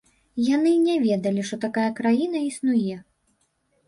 Яны не ведалі, што такая краіна існуе.